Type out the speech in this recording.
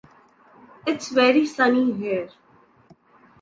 It’s very sunny here.